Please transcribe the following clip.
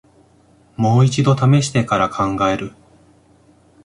もう一度ためしてから考える